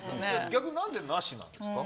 逆に何でなしなんですか？